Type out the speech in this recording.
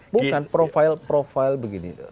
bukan profil profil begini